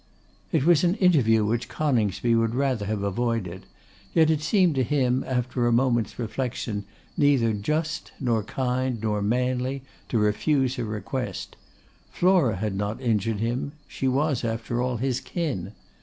It was an interview which Coningsby would rather have avoided; yet it seemed to him, after a moment's reflection, neither just, nor kind, nor manly, to refuse her request. Flora had not injured him. She was, after all, his kin.